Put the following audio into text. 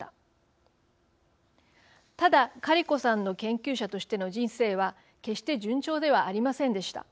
ただカリコさんの研究者としての人生は決して順調ではありませんでした。